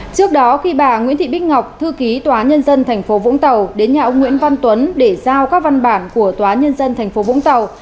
trước đó khi bà nguyễn thị bích ngọc thư ký tòa nhân dân tp vũng tàu đến nhà ông nguyễn văn tuấn để giao các văn bản của tòa nhân dân tp vũng tàu